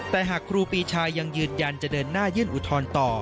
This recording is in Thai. แต่หากครูปีชายังยืนยันจะเดินหน้ายื่นอุทธรณ์ต่อ